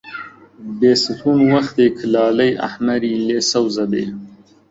بێستوون وەختێ کە لالەی ئەحمەری لێ سەوز ئەبێ